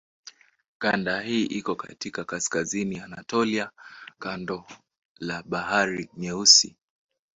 Kanda hii iko katika kaskazini ya Anatolia kando la Bahari Nyeusi.